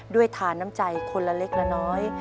ด้วยฐาน้ำใจคนละเล็กละน้อย